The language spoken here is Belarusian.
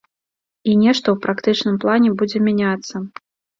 І нешта ў практычным плане будзе мяняцца.